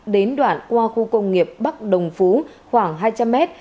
đến đoạn qua khu công nghiệp bắc đồng phú khoảng hai trăm linh mét